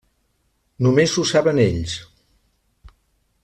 Només ho saben ells.